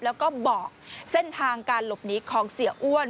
แล้วก็บอกเส้นทางการหลบหนีของเสียอ้วน